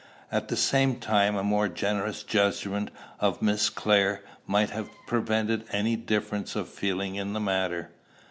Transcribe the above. At the same time, a more generous judgment of Miss Clare might have prevented any difference of feeling in the matter."